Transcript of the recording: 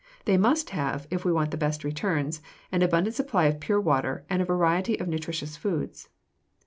They must have, if we want the best returns, an abundant supply of pure water and a variety of nutritious foods.